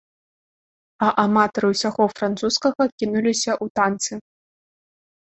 А аматары ўсяго французскага кінуліся ў танцы.